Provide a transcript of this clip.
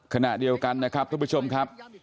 ขณะเดียวกันนะครับทุกผู้ชมครับ